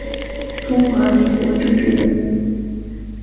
中华民国政治人物。